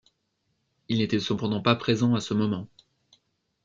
Il n'était cependant pas présent à ce moment.